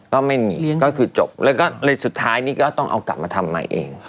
ก็ไม่มีก็คือจบแล้วก็เลยสุดท้ายนี่ก็ต้องเอากลับมาทำใหม่เอง